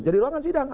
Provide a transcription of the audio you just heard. jadi ruangan sidang